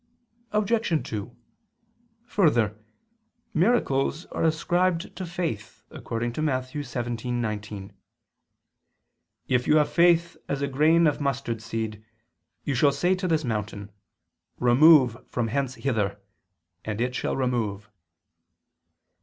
Obj. 2: Further, miracles are ascribed to faith, according to Matt. 17:19, "If you have faith as a grain of mustard seed you shall say to this mountain: Remove from hence hither, and it shall remove."